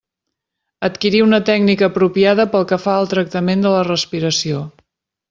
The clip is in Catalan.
Adquirir una tècnica apropiada pel que fa al tractament de la respiració.